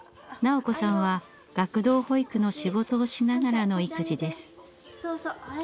斉子さんは学童保育の仕事をしながらの育児です。